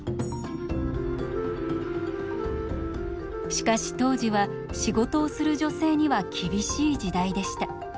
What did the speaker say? しかし当時は仕事をする女性には厳しい時代でした。